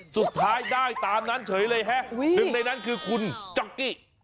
สุดท้ายได้ตามนั้นเฉยเลยฮะหนึ่งในนั้นคือคุณจ๊อกกี้